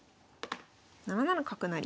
７七角成。